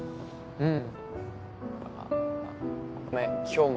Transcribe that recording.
うん。